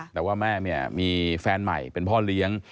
แต่ว่าแม่เนี่ยมีแฟนใหม่เป็นพ่อเลี้ยง